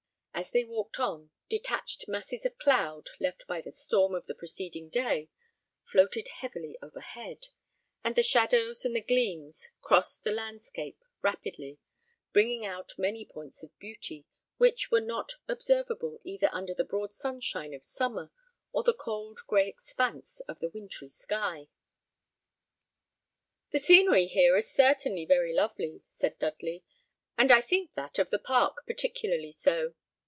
As they walked on, detached masses of cloud, left by the storm of the preceding day, floated heavily overhead; and the shadows and the gleams crossed the landscape rapidly, bringing out many points of beauty, which were not observable either under the broad sunshine of summer, or the cold, gray expanse of the wintry sky. "The scenery here is certainly very lovely," said Dudley; "and I think that of the park peculiarly so.